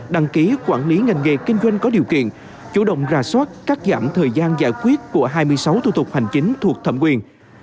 đăng ký quản lý ngành nghề kinh doanh có điều kiện chủ động ra soát cắt giảm thời gian giải quyết của hai mươi sáu thủ tục hành chính thuộc thẩm quyền